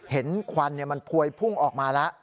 ควันมันพวยพุ่งออกมาแล้ว